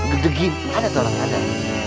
gedegin ada tuh orangnya ada